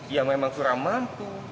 yang memang kurang mampu